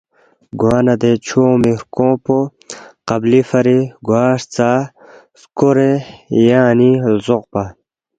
گوانہ اے دے چُھو اونگمی ہرکونگ پو قبلی فری گواہرژا سکورے نہ ینگ اَنینگ لزوقپا